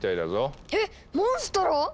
えっモンストロ